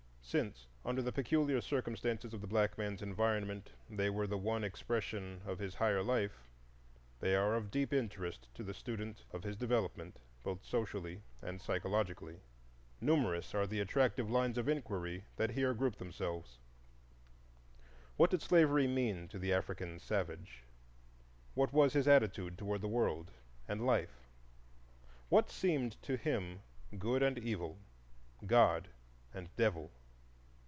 Since under the peculiar circumstances of the black man's environment they were the one expression of his higher life, they are of deep interest to the student of his development, both socially and psychologically. Numerous are the attractive lines of inquiry that here group themselves. What did slavery mean to the African savage? What was his attitude toward the World and Life? What seemed to him good and evil,—God and Devil?